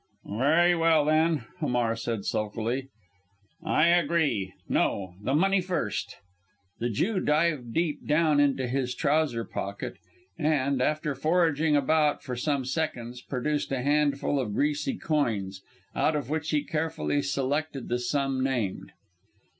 "Very well, then!" Hamar said sulkily. "I agree. No! the money first." The Jew dived deep down into his trouser pocket, and, after foraging about for some seconds, produced a handful of greasy coins, out of which he carefully selected the sum named.